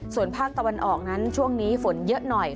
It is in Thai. ส่วนภาคตะวันออกนั้นช่วงนี้ฝนเยอะหน่อย